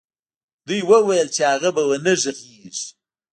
دوی ويل چې هغه به نه وغږېږي.